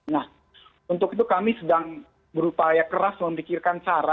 nah untuk itu kami sedang berupaya keras memikirkan cara